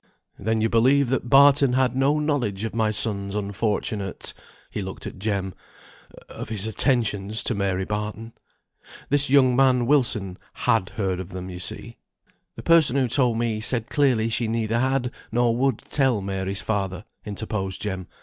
"Then you believe that Barton had no knowledge of my son's unfortunate, " he looked at Jem, "of his attentions to Mary Barton. This young man, Wilson, had heard of them, you see." "The person who told me said clearly she neither had, nor would tell Mary's father," interposed Jem.